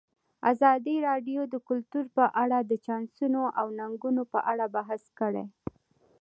ازادي راډیو د کلتور په اړه د چانسونو او ننګونو په اړه بحث کړی.